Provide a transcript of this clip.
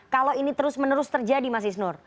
kalau ini terus menerus terjadi mas isnur